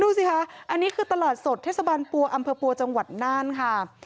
ดูสิคะอันนี้คือตลาดสดเทศบาลปัวอำเภอปัวจังหวัดน่านค่ะ